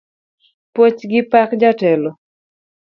Puoch gi pak jatelo